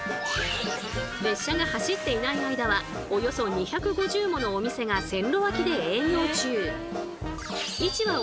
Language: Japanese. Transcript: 列車が走っていない間はおよそ２５０ものお店が線路脇で営業中。